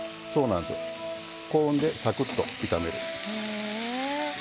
高温でさくっと炒める。